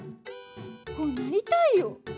こうなりたいよ！